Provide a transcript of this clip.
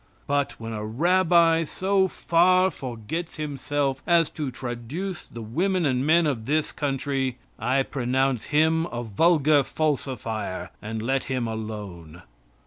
But when a rabbi so far forgets himself as to traduce the women and men of this country, I pronounce him a vulgar falsifier, and let him alone.